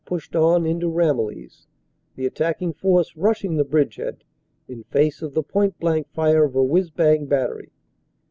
pushed on into Ramillies, the attacking force rushing the bridgehead in face of the point blank fire of a whizz bang battery.